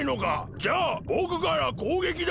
じゃあぼくからこうげきだ！